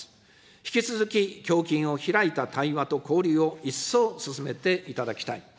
引き続き胸襟を開いた対話と交流を一層進めていただきたい。